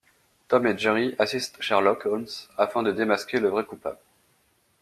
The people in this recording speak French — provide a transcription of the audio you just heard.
Tom et Jerry assistent Sherlock Holmes afin de démasquer le vrai coupable…